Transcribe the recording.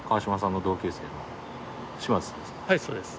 はいそうです。